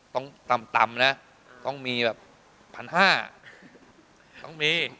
ต้องต่ำนะต้องมีแบบ๑๕๐๐ต้องมี